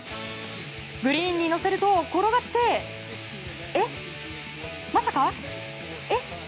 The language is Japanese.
グリーンに乗せると転がってえっ、まさか。